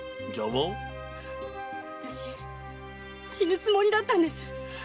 あたし死ぬつもりだったんです。